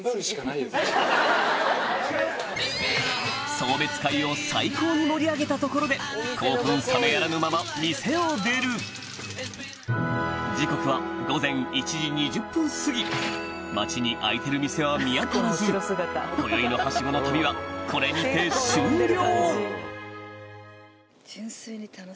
送別会を最高に盛り上げたところで興奮冷めやらぬまま店を出る時刻は午前１時２０分過ぎ街に開いてる店は見当たらずこよいのハシゴの旅はこれにて終了